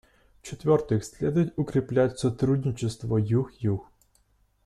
В-четвертых, следует укреплять сотрудничество Юг-Юг.